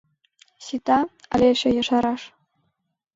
Сита, але эше ешараш?